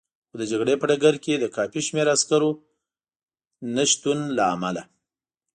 خو د جګړې په ډګر کې د کافي شمېر عسکرو نه شتون له امله.